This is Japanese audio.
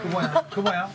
久保やん？